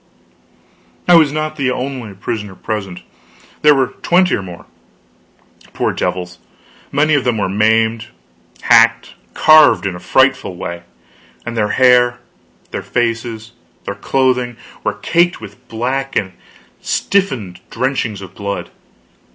I was not the only prisoner present. There were twenty or more. Poor devils, many of them were maimed, hacked, carved, in a frightful way; and their hair, their faces, their clothing, were caked with black and stiffened drenchings of blood.